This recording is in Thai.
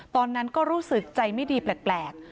ตอนนั้นก็รู้สึกใจไม่ดีแปลก